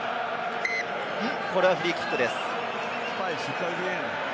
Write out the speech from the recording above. これはフリーキックです。